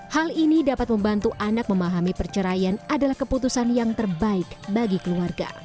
hal ini dapat membantu anak memahami perceraian adalah keputusan yang terbaik bagi keluarga